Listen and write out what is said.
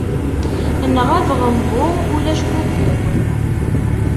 Nɣeb ɣembu ulac bubbu.